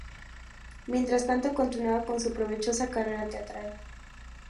Mientras tanto, continuaba con su provechosa carrera teatral.